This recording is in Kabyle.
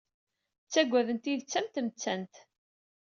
Ttaggaden tidett am tmettant.